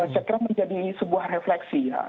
saya kira menjadi sebuah refleksi ya